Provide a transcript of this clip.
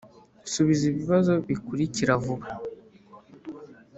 subiza ibi bibazo bikurikira vuba